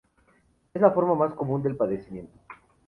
Es la forma más común del padecimiento.